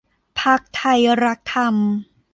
พรรคไทยรักธรรม